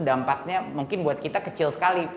dampaknya mungkin buat kita kecil sekali